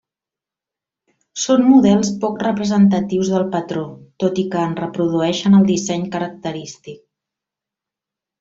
Són models poc representatius del patró, tot i que en reprodueixen el disseny característic.